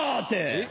え？